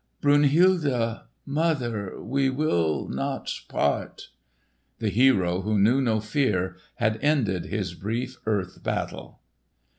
"Brunhilde—mother—we will—not—part——" The hero who knew no fear had ended his brief earth battle.